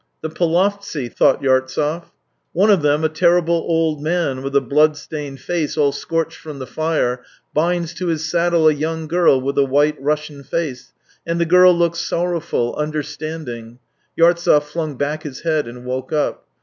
" The Polovtsy," thought Yartsev. One of them, a terrible old man with a blood stained face all scorched from the fire, binds to his saddle a young girl with a white Russian face, and the girl looks sorrowful, understanding. ... Yartsev flung back his head and woke up.